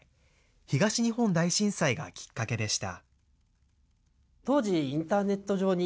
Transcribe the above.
東日本大震災がきっかけでした。